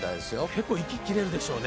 結構息が切れるでしょうね。